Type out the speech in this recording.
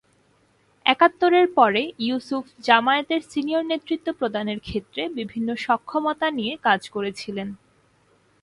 একাত্তরের পরে, ইউসুফ জামায়াতের সিনিয়র নেতৃত্ব প্রদানের ক্ষেত্রে বিভিন্ন সক্ষমতা নিয়ে কাজ করেছিলেন।